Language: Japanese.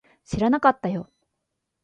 知らなかったよ